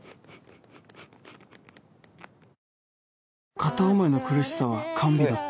片思いの苦しさは甘美だった。